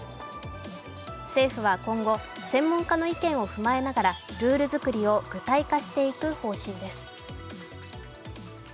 政府は今後、専門家の意見を踏まえながらルール作りを具体化していく方針です。